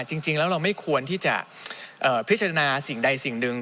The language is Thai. จริงแล้วเราไม่ควรที่จะพิจารณาสิ่งใดสิ่งหนึ่ง